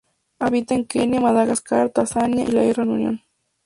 Habita en Kenia, Madagascar, Tanzania y la isla Reunión.